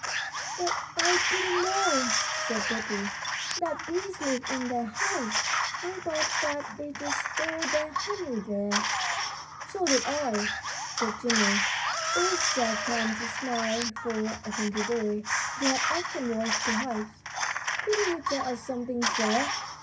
"But I didn't know," said Betty, "that bees live in their hives; I thought that they just stored their honey there." "So did I," said Jimmie. It was Jack's time to smile, for, a country boy, he had often watched the hives. "Couldn't you tell us something, sir?